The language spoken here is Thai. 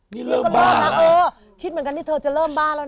มีเรื่องกันบ้างนะเออคิดเหมือนกันนี่เธอจะเริ่มบ้าแล้วนะ